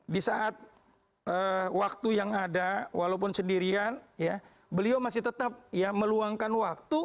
di saat waktu yang ada walaupun sendirian beliau masih tetap meluangkan waktu